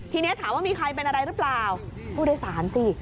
ทีนี้ถามว่ามีใครเป็นอะไรหรือเปล่าผู้โดยสารสิ